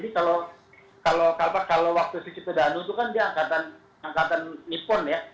kalau waktu sucipto danu itu kan di angkatan nippon ya